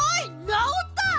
なおった！